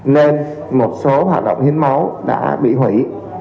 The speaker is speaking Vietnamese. nên một số hoạt động hiến máu đã bị hủy